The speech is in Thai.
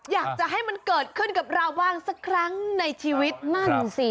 อยากจะให้มันเกิดขึ้นกับเราบ้างสักครั้งในชีวิตนั่นสิ